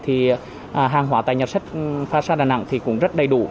hàng hóa tại nhà sách pha xa đà nẵng cũng rất đầy đủ